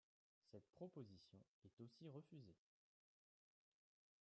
Cette proposition est aussi refusée.